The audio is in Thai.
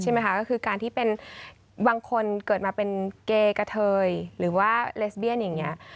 ก็คือการที่เป็นบางคนเกิดมาเป็นเกกะเทยหรือว่าเลสเบียนอย่างนี้